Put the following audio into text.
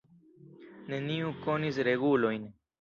Neniu konis regulojn.